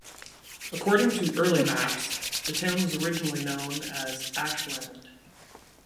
According to early maps, the town was originally known as Ashland.